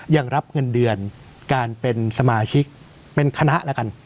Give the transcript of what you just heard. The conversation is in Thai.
ยังรับเงินเดือนการเป็นสมาชิกเป็นคณะแล้วกัน